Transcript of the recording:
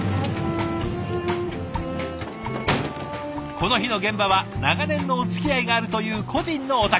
この日の現場は長年のおつきあいがあるという個人のお宅。